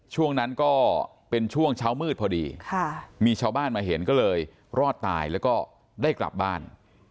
ช่วงนั้นก็เป็นช่วงเช้ามืดพอดีมีชาวบ้านมาเห็นก็เลยรอดตายแล้วก็ได้กลับบ้าน